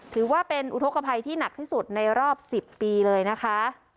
ถือว่าเป็นอุทธกภัยที่หนักที่สุดในรอบ๑๐ปีเลยนะคะ